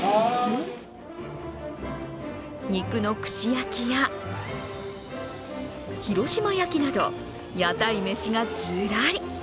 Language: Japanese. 肉の串焼きや広島焼きなど屋台めしがズラリ。